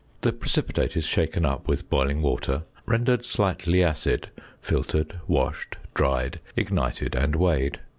The precipitate is shaken up with boiling water, rendered slightly acid, filtered, washed, dried, ignited, and weighed.